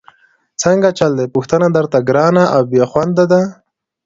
څنګه چل دی، پوښتنه درته ګرانه او بېخونده ده؟!